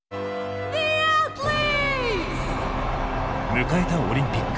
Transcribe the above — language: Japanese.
迎えたオリンピック。